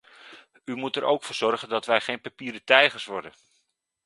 U moet er ook voor zorgen dat wij geen papieren tijgers worden.